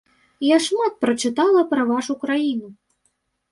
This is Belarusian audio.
Я шмат прачытала пра вашу краіну.